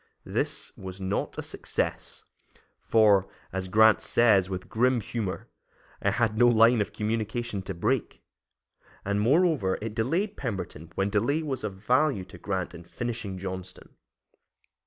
This was not a success, for, as Grant says, with grim humor, "I had no line of communication to break"; and, moreover, it delayed Pemberton when delay was of value to Grant in finishing Johnston.